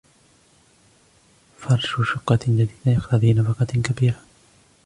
فرش شقة جديدة يقتضي نفقات كبيرة.